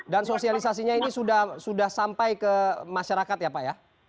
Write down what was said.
dan sosialisasinya ini sudah sampai ke masyarakat ya pak ya